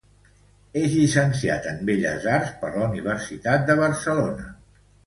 És llicenciat en Belles Arts per la Universitat de Barcelona.